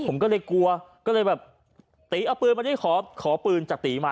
ผมก็เลยกลัวก็เลยแบบตีเอาปืนมานี่ขอปืนจากตีมา